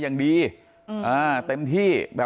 โปรดติดตามตอนต่อไป